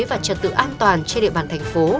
và trật tự an toàn trên địa bàn thành phố